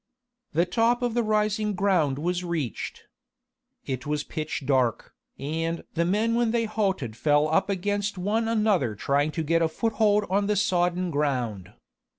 The top of the rising ground was reached. It was pitch dark, and the men when they halted fell up against one another trying to get a foothold on the sodden ground.